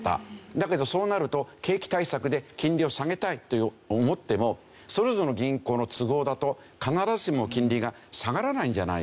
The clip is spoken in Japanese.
だけどそうなると景気対策で金利を下げたいって思ってもそれぞれの銀行の都合だと必ずしも金利が下がらないんじゃないか。